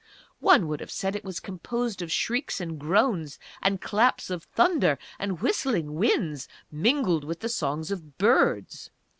One would have said it was composed of shrieks and groans, and claps of thunder, and whistling winds, mingled with the songs of birds!